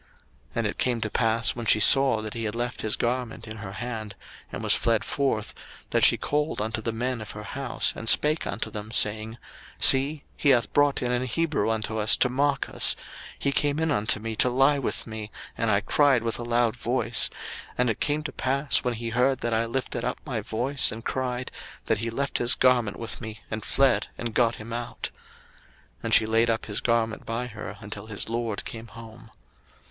01:039:013 And it came to pass, when she saw that he had left his garment in her hand, and was fled forth, 01:039:014 That she called unto the men of her house, and spake unto them, saying, See, he hath brought in an Hebrew unto us to mock us; he came in unto me to lie with me, and I cried with a loud voice: 01:039:015 And it came to pass, when he heard that I lifted up my voice and cried, that he left his garment with me, and fled, and got him out. 01:039:016 And she laid up his garment by her, until his lord came home.